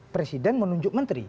presiden menunjuk menteri